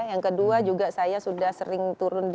yang kedua juga saya sudah sering turun